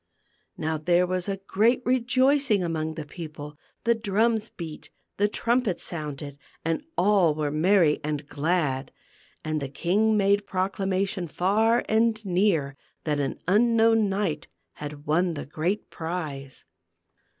Now there was great rejoicing among the peo ple ; the drums beat, the trumpets sounded, and all were merry and glad. And the king made proclamation far and near that an unknown knight had won the great prize.